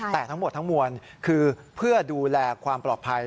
แต่ทั้งหมดทั้งมวลคือเพื่อดูแลความปลอดภัย